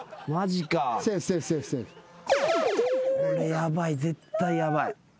ヤバい絶対ヤバい。